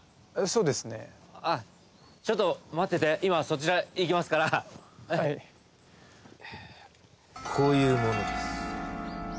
そうですねあっちょっと待ってて今そちら行きますからはいこういう者です